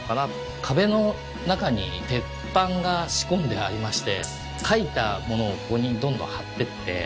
壁の中に鉄板が仕込んでありまして書いたものをここにどんどん貼ってって。